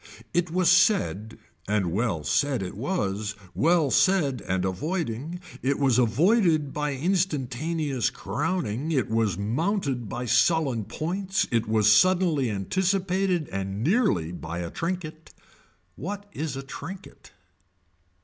It was said and well said it was well said and avoiding, it was avoided by instantaneous crowning it was mounted by sullen points it was suddenly anticipated and nearly by a trinket. What is a trinket.